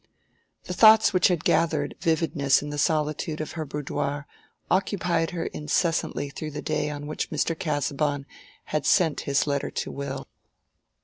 The thoughts which had gathered vividness in the solitude of her boudoir occupied her incessantly through the day on which Mr. Casaubon had sent his letter to Will.